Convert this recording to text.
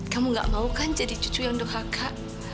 kamu gak mau kan jadi cucu yang doh haka